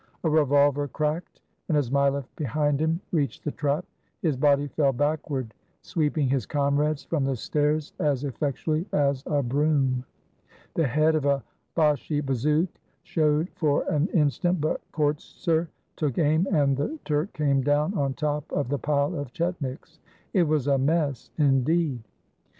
A revolver cracked, and as Mileff, behind him, reached the trap, his body fell backward, sweeping his comrades from the stairs as effectually as a broom. The head of a Bashi bazouk showed for an instant, but Kortser took aim and the Turk came down on top of the pile of chetniks. It was a mess, indeed.